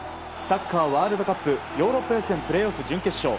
サッカーワールドカップヨーロッパ予選プレーオフ準決勝。